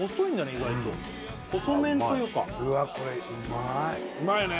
意外と細麺というかうわっこれうまいうまいよね・